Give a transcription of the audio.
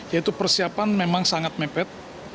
yaitu persiapan memang sangat mepet